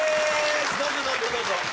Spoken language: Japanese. どうぞどうぞどうぞ。